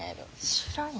知らんわ。